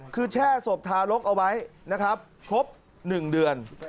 คือแช่ศพทารกเอาไว้ครบ๑เดือน